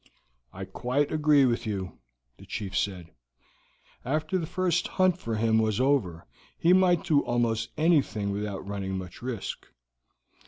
"I quite agree with you," the chief said. "After the first hunt for him was over, he might do almost anything without running much risk.